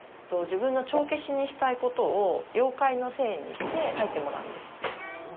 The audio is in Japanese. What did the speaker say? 自分の帳消しにしたいことを妖怪のせいにして書いてもらうんです。